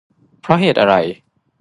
เพราะเหตุอะไร